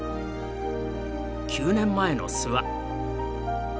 ９年前の諏訪。